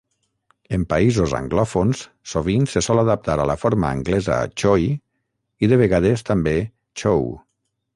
En països anglòfons, sovint se sol adaptar a la forma anglesa "Choi" i de vegades també "Choe".